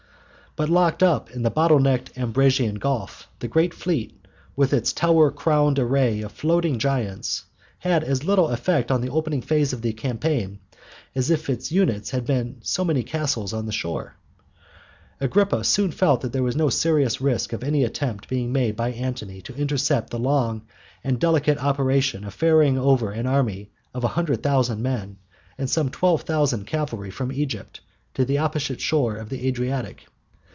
But locked up in the bottle necked Ambracian Gulf the great fleet, with its tower crowned array of floating giants, had as little effect on the opening phase of the campaign as if its units had been so many castles on the shore. Agrippa soon felt that there was no serious risk of any attempt being made by Antony to interrupt the long and delicate operation of ferrying over an army of a hundred thousand men and some twelve thousand cavalry from Italy to the opposite shore of the Adriatic.